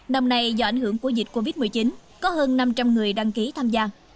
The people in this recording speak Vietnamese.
năm nay do ảnh hưởng của dịch covid một mươi chín có hơn năm trăm linh người đăng ký tham gia